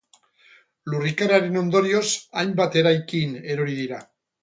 Lurrikararen ondorioz, hainbat eraikin erori dira.